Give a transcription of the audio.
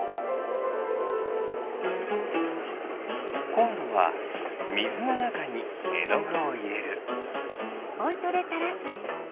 こんどはみずのなかにえのぐをいれる。